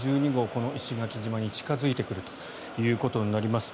この石垣島に近付いてくるということになります。